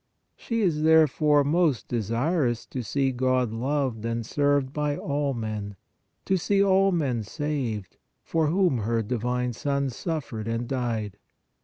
She is, therefore, most desirous to see God loved and served by all men, to see all men saved, for whom her divine Son suffered and died.